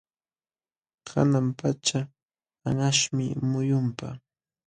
Hanan pacha anqaśhmi muyunpa.